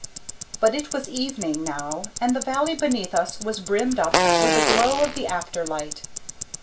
But it was evening now and the valley beneath us was brimmed up with the glow of the afterlight.